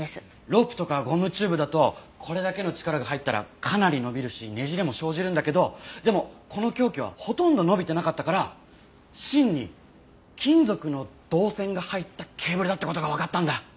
ロープとかゴムチューブだとこれだけの力が入ったらかなり伸びるしねじれも生じるんだけどでもこの凶器はほとんど伸びてなかったから芯に金属の導線が入ったケーブルだって事がわかったんだ。